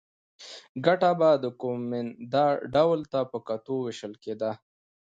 ګټه به د کومېندا ډول ته په کتو وېشل کېده.